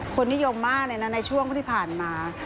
คนนิยมมากในช่วงที่ผ่านมา